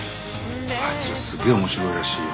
「あいつらすげえ面白いらしいよ」。